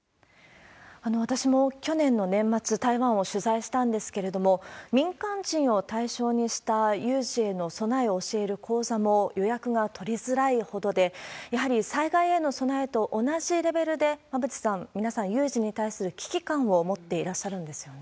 私も去年の年末、台湾を取材したんですけれども、民間人を対象にした有事への備えを教える講座も予約が取りづらいほどで、やはり災害への備えと同じレベルで、馬渕さん、皆さん、有事に対する危機感を持っていらっしゃるんですよね。